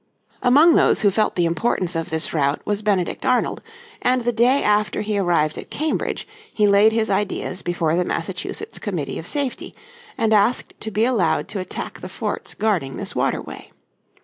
Among those who felt the importance of this route was Benedict Arnold, and the day after he arrived at Cambridge he laid his ideas before the Massachusetts Committee of Safety, and asked to be allowed to attack the forts guarding this waterway.